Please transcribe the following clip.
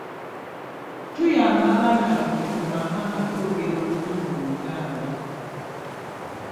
Tuyamba abaana baffe mu maka nga twogera olulimi Oluganda